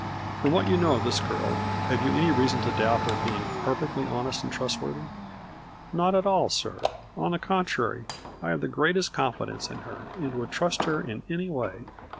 " From what you know of this girl have you any reason to doubt her being perfectly honest and trustworthy ?"" Not at all, sir, on the contrary I have the greatest confidence in her, and would trust her in any way."